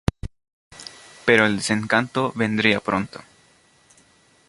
Pero el desencanto vendría pronto.